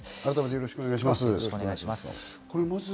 よろしくお願いします。